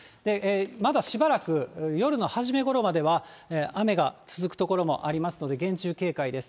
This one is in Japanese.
まだしばらく、夜の初めごろまでは、雨が続く所もありますので、厳重警戒です。